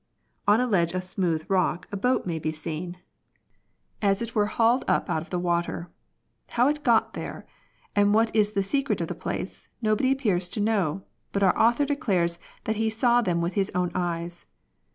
On a ledge of smooth rock a boat may be seen, as it were TRAVEL. 163 hauled up out of the water. How these got there, and what is the secret of the place, nobody appears to know, but our author declares that he saw them with his own eyes.